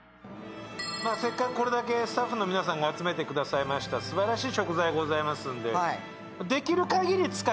せっかくこれだけスタッフの皆さんが集めてくださいました素晴らしい食材ございますんで。